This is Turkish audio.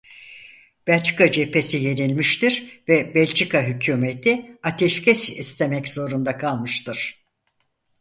Belçika cephesi yenilmiştir ve Belçika hükûmeti ateşkes istemek zorunda kalmıştır.